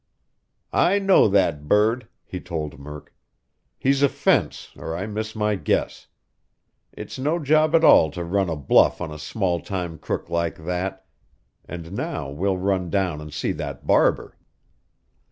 "I know that bird," he told Murk. "He's a fence, or I miss my guess. It's no job at all to run a bluff on a small time crook like that. And now we'll run down and see that barber."